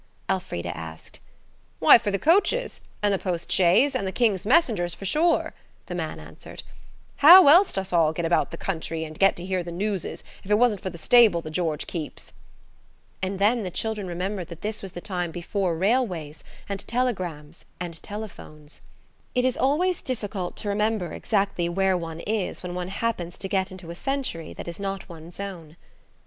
Elfrida asked. "Why, for the coaches, and the post shays, and the King's messengers, for sure," the man answered. "How else'd us all get about the country, and get to hear the newses, if it wasn't for the stable the 'George' keeps?" And then the children remembered that this was the time before railways and telegrams and telephones. It is always difficult to remember exactly where one is when one happens to get into a century that is not one's own.